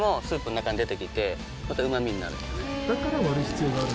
だから割る必要がある。